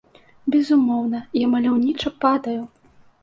Безумоўна, я маляўніча падаю!